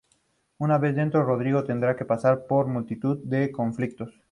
Una vez dentro, Rodrigo tendrá que pasar por multitud de conflictos.